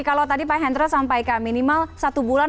kalau tadi pak hendra sampai ke minimal satu bulan